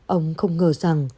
ông không ngờ rằng